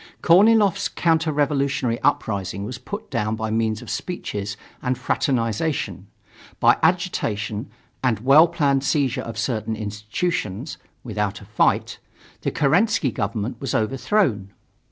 Korniloff's counter revolutionary uprising was put down by means of speeches and fraternization. By agitation and well planned seizure of certain institutions without a fight the Kerensky government was overthrown.